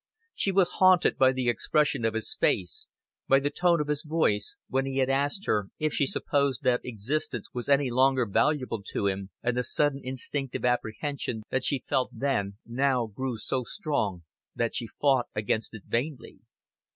She was haunted by the expression of his face, by the tone of his voice, when he had asked her if she supposed that existence was any longer valuable to him, and the sudden instinctive apprehension that she had felt then now grew so strong that she fought against it vainly.